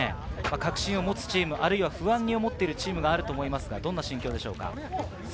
確信を持つチーム、不安に思っているチームがあると思いますが、どんな心境でしょうか？